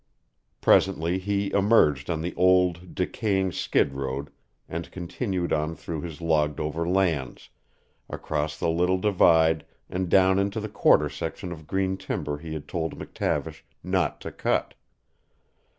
Presently he emerged on the old, decaying skid road and continued on through his logged over lands, across the little divide and down into the quarter section of green timber he had told McTavish not to cut.